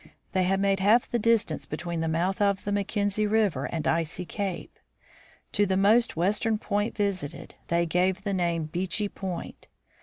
They had made half the distance between the mouth of the Macken zie river and Icy cape. To the most western point visited, they gave the name Beechey point.